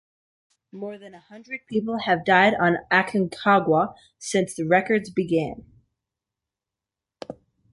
More than a hundred people have died on Aconcagua since records began.